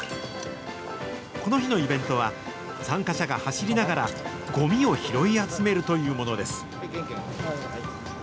この日のイベントは、参加者が走りながら、ごみを拾い集めるというものです。